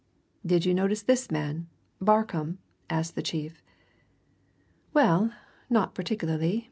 "Did you notice this man Barcombe?" asked the chief. "Well, not particularly.